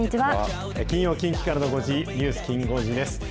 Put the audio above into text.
金曜近畿からの５時、ニュースきん５時です。